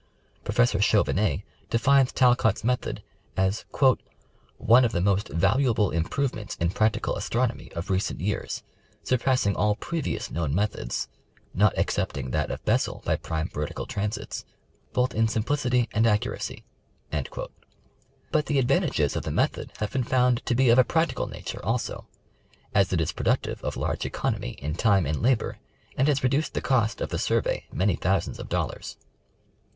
Professor Chauvenet defines " Talcott's method " as " one of the most valuable improvements in practical astronomj'^ of recent years, surpassing all previous known methods (not excepting that of Bessel by prime vertical transits) both in simplicity and accuracy." But the advantages of the method have been found to be of a practical nature also ; as it is productive of large economy in time and labor and has reduced the cost of the Sur vey many thousands of dollars.